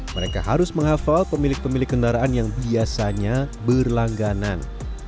mereka harus menghafal pemilik pemilik kendaraan yang biasanya berlangganan